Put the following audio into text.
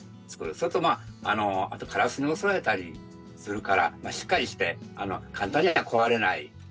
それとまあカラスに襲われたりするからしっかりして簡単には壊れない